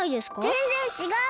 ぜんぜんちがう！